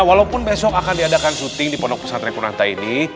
walaupun besok akan diadakan syuting di ponok pusat rekun ranta ini